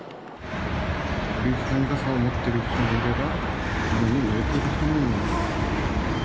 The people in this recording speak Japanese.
折り畳み傘を持っている人もいれば、雨にぬれている人もいます。